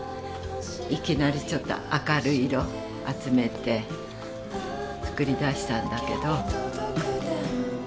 いきなりちょっと明るい色集めて作りだしたんだけど。